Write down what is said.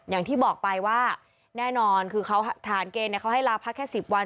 อย่างที่บอกไปว่าแน่นอนคือเขาฐานเกณฑ์เขาให้ลาพักแค่๑๐วัน